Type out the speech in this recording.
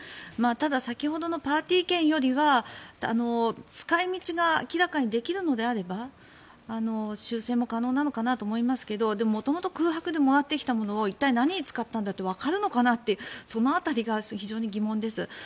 ただ、先ほどのパーティー券よりは使い道が明らかにできるのであれば修正も可能なのかなとも思いますがでも、元々空白でもらってきたものを一体、何に使ったんだってわかるのかなって、その辺りが非常に疑問です。